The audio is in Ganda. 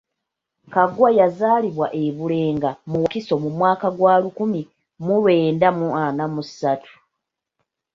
Kaggwa yazaalibwa e Bulenga mu Wakiso mu mwaka gwa lukumi mu lwenda mu ana mu ssatu.